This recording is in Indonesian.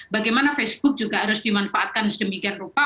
bagaimana facebook juga harus dimanfaatkan sedemikian rupa